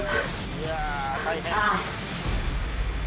いや大変！